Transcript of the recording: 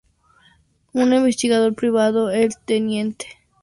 Un investigador privado, el teniente Preston, aparece y es testigo de la escena.